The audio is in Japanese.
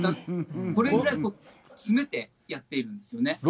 それぐらい詰めてやっているんですよね。